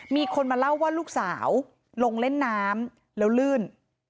มีคนมาเล่าว่าลูกสาวลงเล่นน้ำแล้วลื่น